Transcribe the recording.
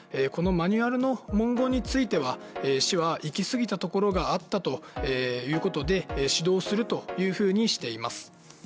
このマニュアルの文言については市は行き過ぎたところがあったということで指導するというふうにしています。